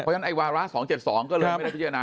เพราะฉะวาระ๒๗๒ก็เลยไม่ได้พิจารณา